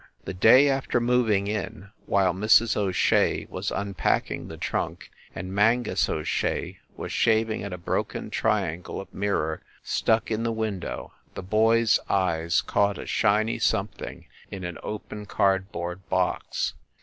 The day after moving in, while Mrs. O Shea was unpacking the trunk and Mangus O Shea was shav ing at a broken triangle of mirror stuck in the win dow, the boy s eyes caught a shiny something in an open cardboard box.